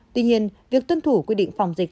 tuy nhiên việc tuân thủ quy định phòng dịch